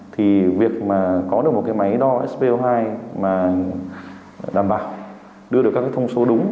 thì việc có được một máy đo spo hai đảm bảo đưa được các thông số đúng